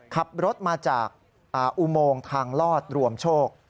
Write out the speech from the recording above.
ขับรถมาจากอุโมงทางลอดรวมโชค